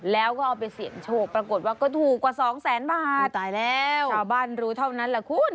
แล้วก็เอาไปเสี่ยงโชคปรากฏว่าก็ถูกกว่าสองแสนบาทตายแล้วชาวบ้านรู้เท่านั้นแหละคุณ